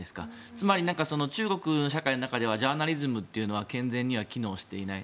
つまり、中国の社会の中ではジャーナリズムというのは健全には機能していない。